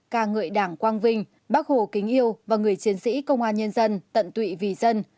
ca ngợi đảng quang vinh bác hồ kính yêu và người chiến sĩ công an nhân dân tận tụy vì dân